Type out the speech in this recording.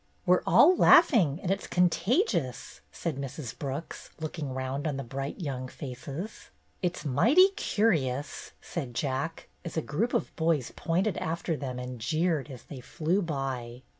'' "We're all laughing, and it's contagious," said Mrs. Brooks, looking round on the bright young faces. "It's mighty curious," said Jack, as a group of boys pointed after them and jeered as they flew by.